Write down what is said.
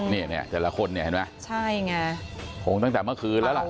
เนี่ยแต่ละคนเนี่ยเห็นไหมใช่ไงคงตั้งแต่เมื่อคืนแล้วล่ะ